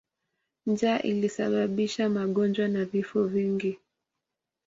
Njaa ilisababisha magonjwa na vifo vingi.